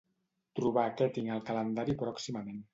Trobar què tinc al calendari pròximament.